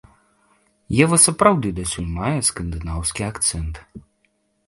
Ева сапраўды дасюль мае скандынаўскі акцэнт.